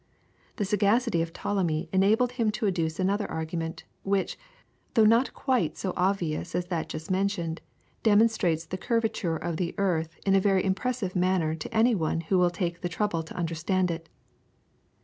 The sagacity of Ptolemy enabled him to adduce another argument, which, though not quite so obvious as that just mentioned, demonstrates the curvature of the earth in a very impressive manner to anyone who will take the trouble to understand it.